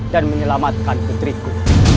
dan menyelamatkan putriku